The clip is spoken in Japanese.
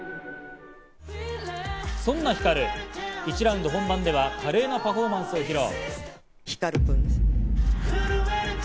そんなＨＩＫＡＲＵ、１ラウンド本番では華麗なパフォーマンスを披露。